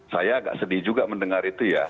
saya agak sedih juga mendengar itu ya